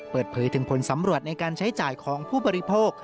เปิดเผยถึงผลสำรวจในการใช้จ่ายของผู้บริโภค